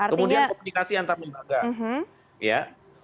kemudian komunikasi antar lembaga